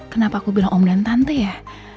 kenapa aku bilang om dan tante ya